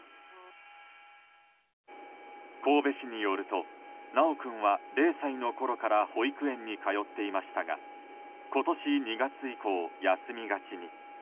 神戸市によると修君は０歳のころから保育園に通っていましたが今年２月以降、休みがちに。